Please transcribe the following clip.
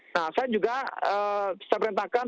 nah saya juga saya perintahkan